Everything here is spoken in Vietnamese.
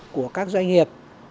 của các doanh nghiệp